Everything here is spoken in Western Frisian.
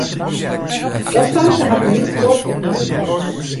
Dat famke hat in lyts bruorke krigen.